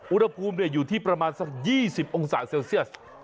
อุณหภูมิอยู่ที่ประมาณสัก๒๐องศาเซลเซียส